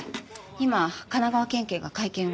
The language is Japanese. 今神奈川県警が会見を。